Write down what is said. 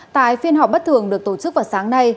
tại phiên họp bất thường được tổ chức vào sáng nay